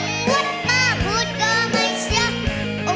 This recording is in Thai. อมวุฒมาพูดก็ไม่เชื่อ